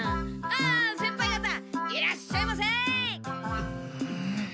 あ先輩方いらっしゃいませ！